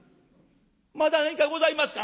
まだ何かございますか？」。